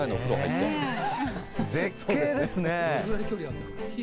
絶景ですね。